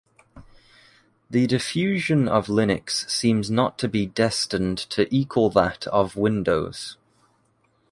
The diffusion of Linux seems not to be destined to equal that of Windows.